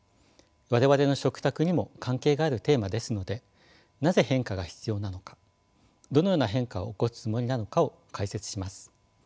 我々の食卓にも関係があるテーマですのでなぜ変化が必要なのかどのような変化を起こすつもりなのかを解説します。